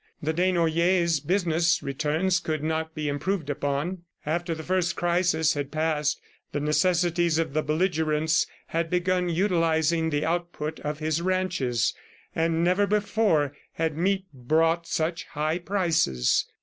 The Desnoyers business returns could not be improved upon; after the first crisis had passed, the necessities of the belligerents had begun utilizing the output of his ranches, and never before had meat brought such high prices.